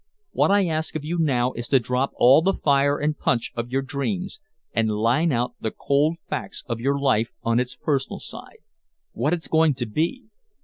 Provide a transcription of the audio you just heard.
What I ask of you now is to drop all the fire and punch of your dreams, and line out the cold facts of your life on its personal side what it's going to be.